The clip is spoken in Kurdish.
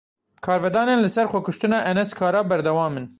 Karvedanên li ser xwekuştina Enes Kara berdewam in.